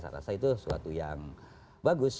saya rasa itu suatu yang bagus